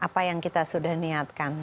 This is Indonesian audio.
apa yang kita sudah niatkan